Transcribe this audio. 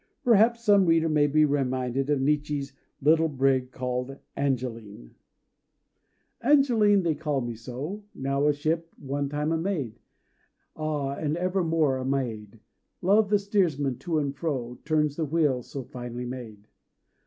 Perhaps some reader may be reminded of Nietzsche's "Little Brig called Angeline": "Angeline they call me so Now a ship, one time a maid, (Ah, and evermore a maid!) Love the steersman, to and fro, Turns the wheel so finely made."